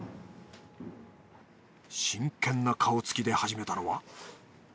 真剣な顔つきで始めたのは。